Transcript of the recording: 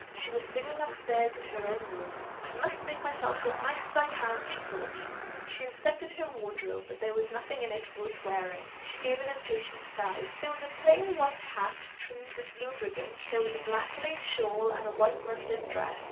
She was singing up stairs in her own room. "I must make myself look as nice as I can," she thought. She inspected her wardrobe; there was really nothing in it worth wearing. She gave an impatient sigh. There was a plain white hat, trimmed with blue ribbon; there was a black lace shawl and a white muslin dress.